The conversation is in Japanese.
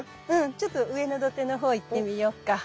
ちょっと上の土手のほう行ってみよっか。